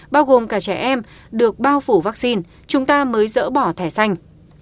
bao gồm cả trẻ em được bao phủ vaccine chúng ta mới dỡ bỏ thẻ xanh